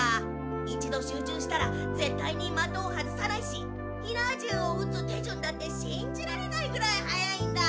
一度集中したらぜったいにまとを外さないし火縄銃をうつ手じゅんだってしんじられないぐらい速いんだ。